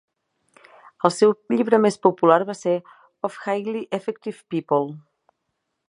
El seu llibre més popular va ser "of Highly Effective People".